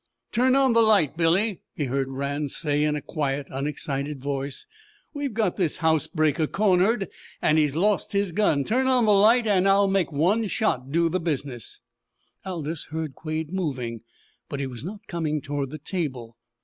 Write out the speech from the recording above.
"Turn on the light, Billy," he heard Rann say in a quiet, unexcited voice. "We've got this house breaker cornered, and he's lost his gun. Turn on the light and I'll make one shot do the business!" Aldous heard Quade moving, but he was not coming toward the table.